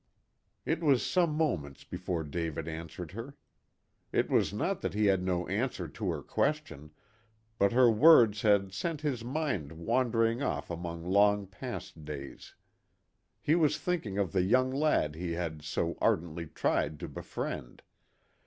It was some moments before Dave answered her. It was not that he had no answer to her question, but her words had sent his mind wandering off among long past days. He was thinking of the young lad he had so ardently tried to befriend.